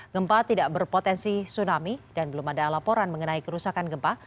gempa tidak berpotensi tsunami dan belum ada laporan mengenai kerusakan gempa